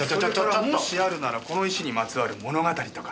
それからもしあるならこの石にまつわる物語とか。